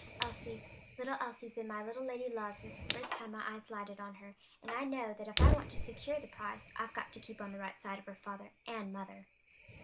Elsie, little Elsie's been my little lady love since the first time my eyes lighted on her, and I know that if I want to secure the prize, I've got to keep on the right side of her father and mother."